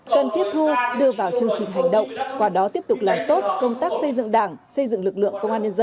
cần tiếp thu đưa vào chương trình hành động qua đó tiếp tục làm tốt công tác xây dựng đảng xây dựng lực lượng công an nhân dân